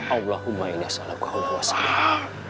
allahumma inna salamu ala wassalamu